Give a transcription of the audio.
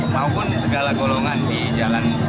maupun segala golongan di jalan